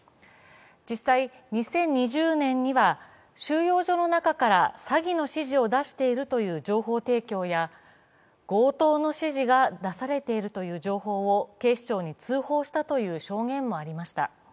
実際、２０２０年には収容所の中から詐欺の指示を出しているという情報提供や強盗の指示が出されているという情報を警視庁に通報したという証言もありました。